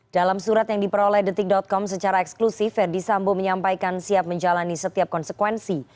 dalam surat yang diperoleh detik com secara eksklusif verdi sambo menyampaikan siap menjalani setiap konsekuensi